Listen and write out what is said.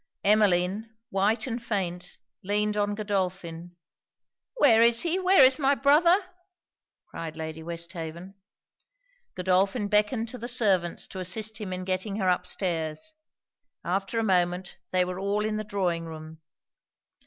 Emmeline, white and faint, leaned on Godolphin 'Where is he, where is my brother?' cried Lady Westhaven. Godolphin beckoned to the servants to assist him in getting her up stairs. After a moment, they were all in the drawing room.